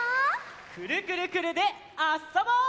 「くるくるくるっ」であっそぼう！